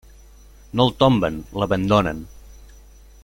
No el tomben, l'abandonen.